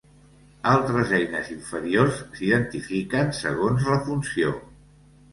Altres eines inferiors s'identifiquen segons la funció.